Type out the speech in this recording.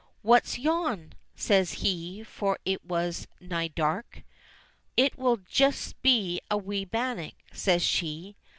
"What's yon .?" says he, for it was nigh dark. "It will just be a wee bannock," says she.